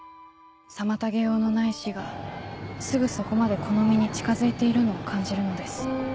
妨げようのない死がすぐそこまでこの身に近づいているのを感じるのです。